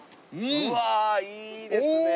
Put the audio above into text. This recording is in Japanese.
うわいいですね。